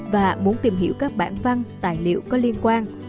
và muốn tìm hiểu các bản văn tài liệu có liên quan